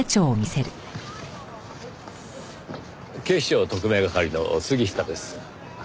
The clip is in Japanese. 警視庁特命係の杉下です。